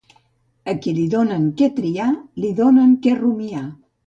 A qui li donen què triar, li donen què rumiar.